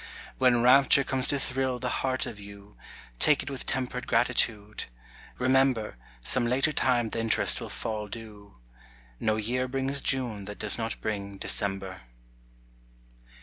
When rapture comes to thrill the heart of you, Take it with tempered gratitude. Remember, Some later time the interest will fall due. No year brings June that does not bring December.